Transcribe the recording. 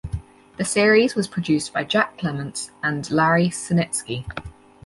The series was produced by Jack Clements and Larry Sanitsky.